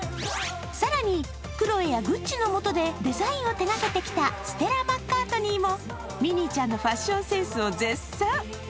更に、クロエやグッチの下でデザインを手がけてきたステラ・マッカートニーも、ミニーちゃんのファッションセンスを絶賛。